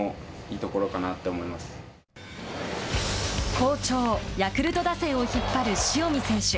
好調ヤクルト打線を引っ張る塩見選手。